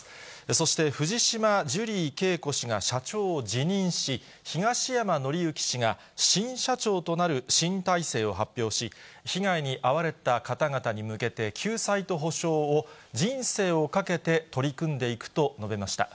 そして、藤島ジュリー景子氏が社長を辞任し、東山紀之氏が新社長となる新体制を発表し、被害に遭われた方々に向けて救済と補償を人生を懸けて取り組んでいくと述べました。